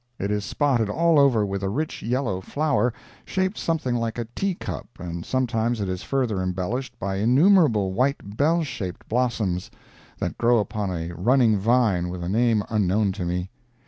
It is spotted all over with a rich yellow flower, shaped something like a tea cup and sometimes it is further embellished by innumerable white bell shaped blossoms, that grow upon a running vine with a name unknown to me.